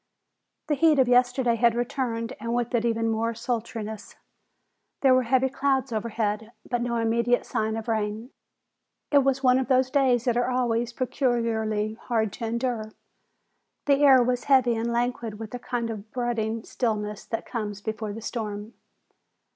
The heat of yesterday had returned and with it even more sultriness. There were heavy clouds overhead, but no immediate sign of rain. It was one of those days that are always peculiarly hard to endure. The air was heavy and languid with a kind of brooding stillness that comes before the storm.